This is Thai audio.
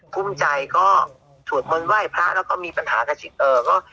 คุ้มใจก็สวดมนต์ไหว้พระแล้วก็มีปัญหากับชีวิต